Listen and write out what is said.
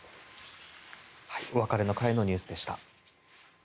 お別れの会のニュースでした。